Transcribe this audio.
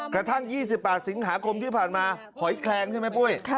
กระทั่ง๒๘สิงหาคมที่ผ่านมาหอยแคลงใช่ไหมปุ้ย